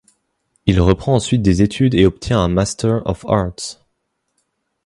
Il reprend ensuite des études et obtient un Master of Arts.